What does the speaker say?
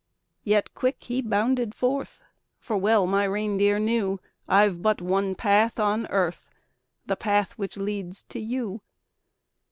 Yet quick he bounded forth; For well my reindeer knew I've but one path on earth The path which leads to you.